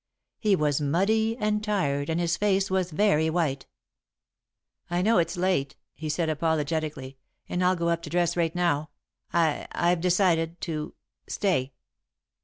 He was muddy and tired and his face was very white. "I know it's late," he said, apologetically, "and I'll go up to dress right now. I I've decided to stay."